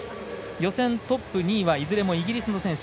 予選トップ２位はイギリスの選手。